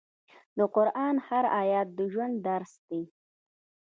د قرآن هر آیت د ژوند درس دی.